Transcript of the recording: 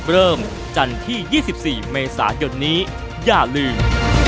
เริ่มจันทร์ที่๒๔เมษายนนี้อย่าลืม